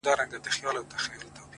• خدایه نور یې د ژوندو له کتار باسه؛